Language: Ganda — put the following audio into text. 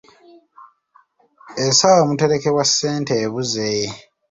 Ensawo omuterekebwa ssente ebuze.